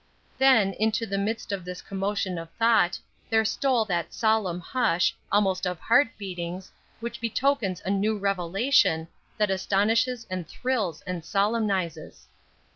Then, into the midst of this commotion of thought, there stole that solemn hush, almost of heart beatings, which betokens a new revelation, that astonishes and thrills and solemnizes.